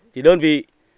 thì đơn vị